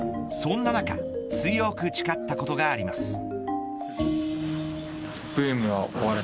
そんな中強く誓ったことがあります。